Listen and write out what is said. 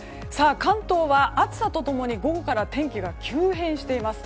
関東は、暑さと共に午後から天気が急変しています。